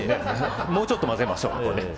もうちょっと混ぜましょう。